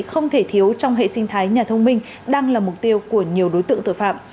không thể thiếu trong hệ sinh thái nhà thông minh đang là mục tiêu của nhiều đối tượng tội phạm